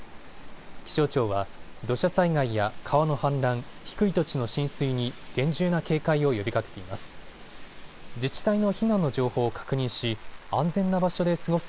気象庁は土砂災害や川の氾濫、低い土地の浸水に厳重な警戒を呼びかけています。